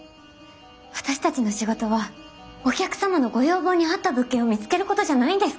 私たちの仕事はお客様のご要望にあった物件を見つけることじゃないんですか？